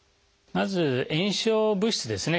まず炎症物質ですね